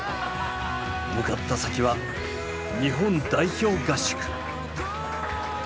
向かった先は日本代表合宿。